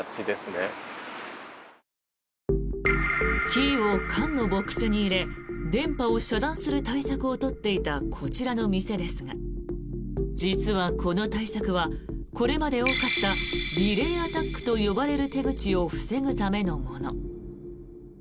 キーを缶のボックスに入れ電波を遮断する対策を取っていたこちらの店ですが実はこの対策はこれまで多かったリレーアタックと呼ばれる手口を防ぐためのもの。